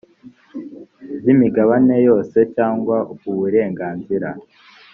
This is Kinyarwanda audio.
by imigabane yose cyangwa uburenganzira